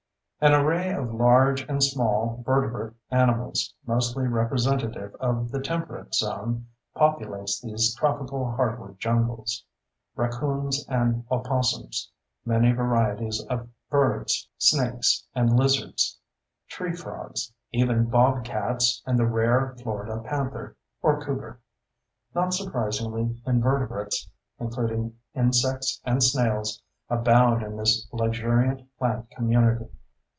An array of large and small vertebrate animals, mostly representative of the Temperate Zone, populates these tropical hardwood jungles: raccoons and opossums, many varieties of birds, snakes and lizards, tree frogs, even bobcats and the rare Florida panther, or cougar. Not surprisingly, invertebrates—including insects and snails—abound in this luxuriant plant community.